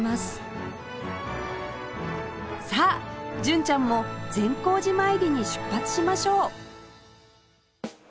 さあ純ちゃんも善光寺詣りに出発しましょう